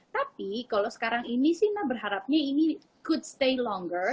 tapi kalo sekarang ini sih nah berharapnya ini could stay longer